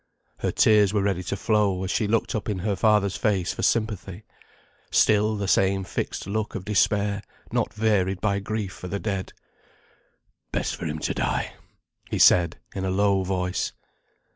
Her tears were ready to flow as she looked up in her father's face for sympathy. Still the same fixed look of despair, not varied by grief for the dead. "Best for him to die," he said, in a low voice.